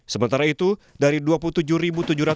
sementara itu dari dua puluh tujuh tujuh ratus